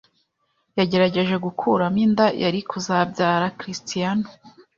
Yagerageje gukuramo inda yari kuzabyara Cristiano,